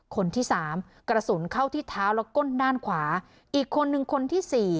คนที่สามกระสุนเข้าที่เท้าและก้นด้านขวาอีกคนนึงคนที่สี่